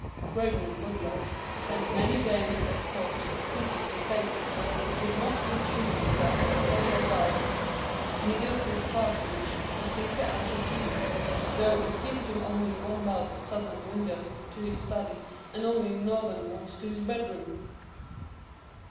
Gregory Goodloe spent many days of thought in seeking to place it so that it would not intrude itself upon your garden, and he built his parsonage completely out of view, though it gives him only one large southern window to his study and only northern ones to his bedroom."